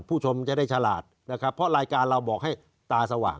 ผู้ชมจะได้ฉลาดนะครับเพราะรายการเราบอกให้ตาสว่าง